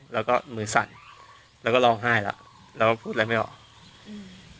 แล้วก็มือสั่นแล้วก็ร้องไห้แล้วเราก็พูดอะไรไม่ออกอืม